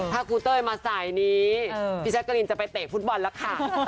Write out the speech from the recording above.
ถ้าคุณเต้ยมาใส่นี้พี่ชักกะลินจะไปเตะฟุตบอลละค่ะ